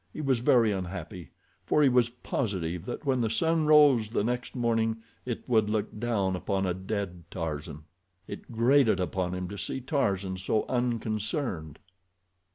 He was very unhappy, for he was positive that when the sun rose the next morning it would look down upon a dead Tarzan. It grated upon him to see Tarzan so unconcerned.